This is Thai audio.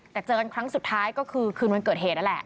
แต่เจอกันครั้งสุดท้ายก็คือคืนวันเกิดเหตุนั่นแหละ